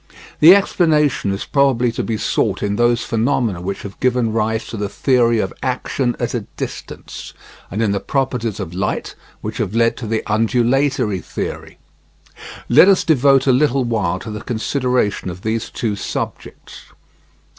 The explanation is probably to be sought in those phenomena which have given rise to the theory of action at a distance, and in the properties of light which have led to the undulatory theory. Let us devote a little while to the consideration of these two subjects.